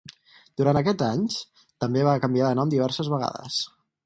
Durant aquests anys també va canviar de nom diverses vegades.